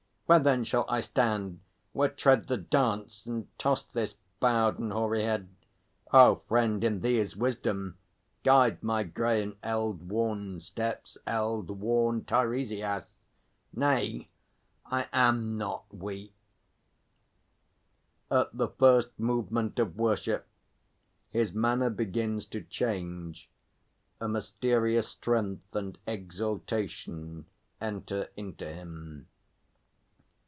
Where then shall I stand, where tread The dance and toss this bowed and hoary head? O friend, in thee is wisdom; guide my grey And eld worn steps, eld worn Teiresias. Nay; I am not weak. [_At the first movement of worship his manner begins to change; a mysterious strength and exaltation enter into him.